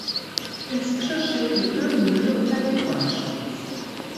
Inzwischen steht die Ölmühle unter Denkmalschutz.